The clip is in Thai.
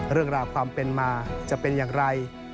เรื่องราวความเป็นมาจะเป็นอย่างไร